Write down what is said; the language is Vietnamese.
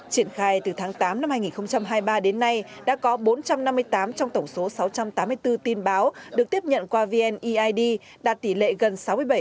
triển khai từ tháng tám năm hai nghìn hai mươi ba đến nay đã có bốn trăm năm mươi tám trong tổng số sáu trăm tám mươi bốn tin báo được tiếp nhận qua vneid đạt tỷ lệ gần sáu mươi bảy